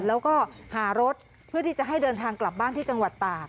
แล้วก็หารถเพื่อที่จะให้เดินทางกลับบ้านที่จังหวัดตาก